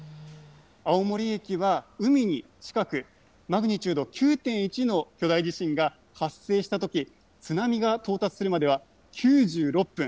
青森駅は海に近く、マグニチュード９．１の巨大地震が発生したとき、津波が到達するまでは９６分。